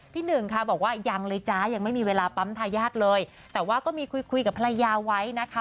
หนึ่งค่ะบอกว่ายังเลยจ๊ะยังไม่มีเวลาปั๊มทายาทเลยแต่ว่าก็มีคุยคุยกับภรรยาไว้นะคะ